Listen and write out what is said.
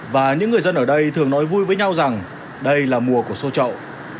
và những người dân ở đây thường nói vui với nhau rằng đây là mùa của xô trậu